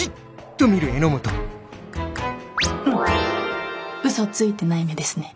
うん嘘ついてない目ですね。